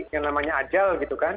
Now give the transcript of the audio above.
yang namanya ajal gitu kan